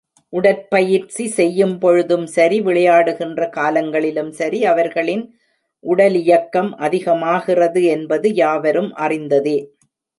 உடற் பயிற்சி செய்யும் பொழுதும் சரி, விளையாடுகின்ற காலங்களிலும் சரி, அவர்களின் உடலியக்கம் அதிகமாகிறது என்பது யாவரும் அறிந்ததே.